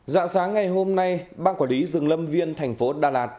dạ sáng ngày hôm nay bang quản lý rừng lâm viên thành phố đà lạt